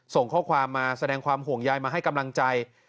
ส่งข้อความมาแสดงความห่วงใยมาให้กำลังใจ